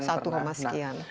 satu rumah sekian